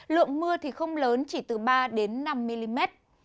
lượng mưa thì không lớn chỉ từ ba đến năm mm